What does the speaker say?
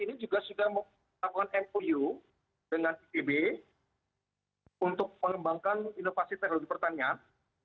ini juga sudah melakukan mou dengan itb untuk mengembangkan inovasi teknologi pertanian